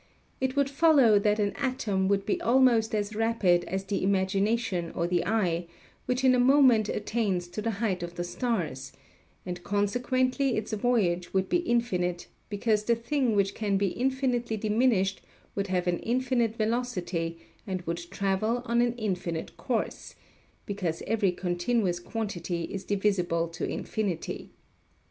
It would follow that an atom would be almost as rapid as the imagination or the eye, which in a moment attains to the height of the stars, and consequently its voyage would be infinite, because the thing which can be infinitely diminished would have an infinite velocity and would travel on an infinite course (because every continuous quantity is divisible to infinity).